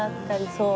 そう。